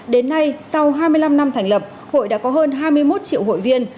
đến nay sau hai mươi năm năm thành lập hội đã có hơn hai mươi một triệu hội viên